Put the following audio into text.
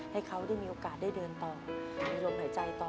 ให้เขาได้มีโอกาสได้เดินต่อมีลมหายใจต่อ